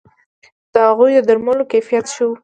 د هغوی د درملو کیفیت ښه وو